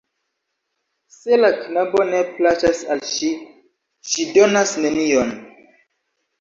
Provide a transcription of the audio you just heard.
Se la knabo ne plaĉas al ŝi, ŝi donas nenion.